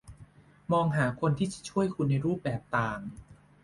มองหาคนที่จะช่วยคุณในรูปแบบต่าง